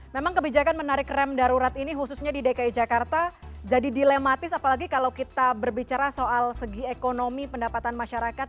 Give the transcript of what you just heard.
memang kebijakan menarik rem darurat ini khususnya di dki jakarta jadi dilematis apalagi kalau kita berbicara soal segi ekonomi pendapatan masyarakat